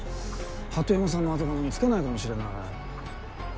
鳩山さんの後釜につけないかもしれない。